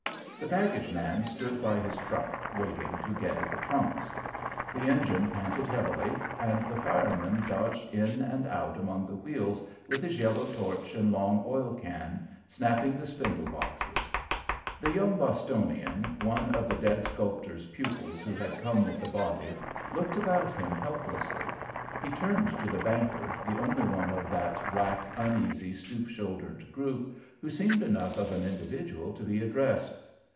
The baggage man stood by his truck, waiting to get at the trunks. The engine panted heavily, and the fireman dodged in and out among the wheels with his yellow torch and long oil can, snapping the spindle boxes. The young Bostonian, one of the dead sculptor's pupils who had come with the body, looked about him helplessly. He turned to the banker, the only one of that black, uneasy, stoop shouldered group who seemed enough of an individual to be addressed.